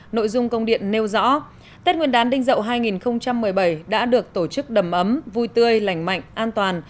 nội dung công điện nêu rõ tết nguyên đán đinh dậu hai nghìn một mươi bảy đã được tổ chức đầm ấm vui tươi lành mạnh an toàn